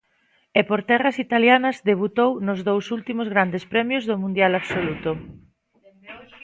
E por terras italianas debutou nos dous últimos grandes premios do mundial absoluto.